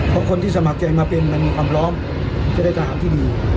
เพราะคนที่สมัครใจมาเป็นมันมีความพร้อมจะได้ทหารที่ดี